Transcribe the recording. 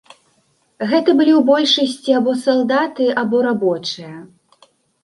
Гэта былі ў большасці або салдаты, або рабочыя.